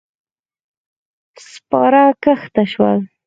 سپاره کښته شول.